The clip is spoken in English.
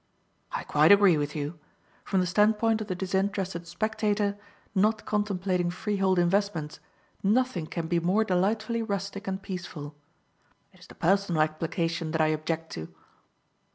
"I quite agree with you. From the standpoint of the disinterested spectator, not contemplating freehold investments, nothing can be more delightfully rustic and peaceful. It is the personal application that I object to."